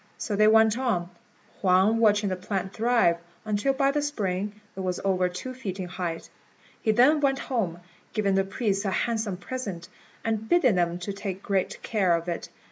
So they went on, Huang watching the plant thrive, until by the spring it was over two feet in height. He then went home, giving the priests a handsome present, and bidding them take great care of it.